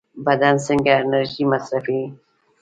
بدن څنګه انرژي مصرفوي؟